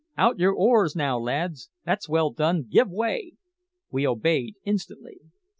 "Out your oars now, lads! That's well done! Give way!" We obeyed instantly.